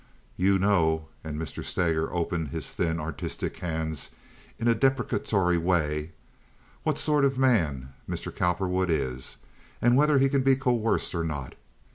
You know"—and Mr. Steger opened his thin, artistic hands in a deprecatory way—"what sort of a man Mr. Cowperwood is, and whether he can be coerced or not.